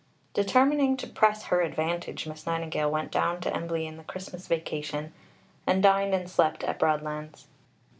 " Determining to press her advantage, Miss Nightingale went down to Embley in the Christmas vacation, and dined and slept at Broadlands.